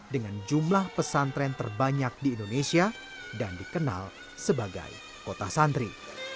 dengan jumlah pesantren terbanyak di indonesia dan dikenal sebagai kota santri